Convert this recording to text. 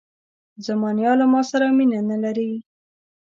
زما نیا له ماسره مینه نه لري.